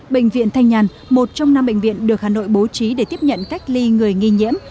bệnh viện thanh nhàn một trong năm bệnh viện được hà nội bố trí để tiếp nhận cách ly người nghi nhiễm